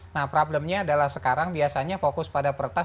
nah problemnya adalah sekarang biasanya fokus pada pertas